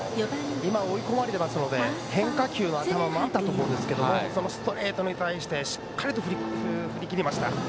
今、追い込まれていましたので変化球の頭もあったと思いますがストレートに対してしっかり振りきりました。